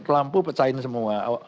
lampu pecahin semua